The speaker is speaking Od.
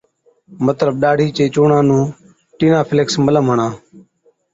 مطلب، ڏاڙهِي چي چُونڻان نُون ٽِينافيڪس Tineafax Ointment ملم هڻا